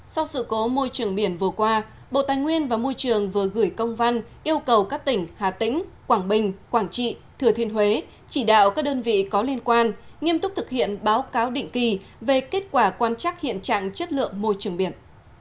sau sự cố môi trường biển vừa qua bộ tài nguyên và môi trường vừa gửi công văn yêu cầu các tỉnh hà tĩnh quảng bình quảng trị thừa thiên huế chỉ đạo các đơn vị có liên quan nghiêm túc thực hiện báo cáo định kỳ về kết quả quan trắc hiện trạng chất lượng môi trường biển